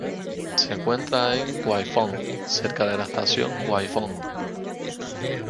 Se encuentra en Kwai Fong, cerca de la estación Kwai Fong.